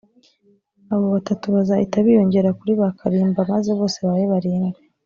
Abo batatu bazahita biyongera kuri ba kalimba maze bose babe barindwi